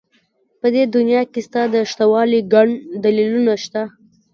په دې دنيا کې ستا د شتهوالي گڼ دلیلونه شته.